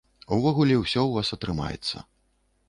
Увогуле, усё ў вас атрымаецца.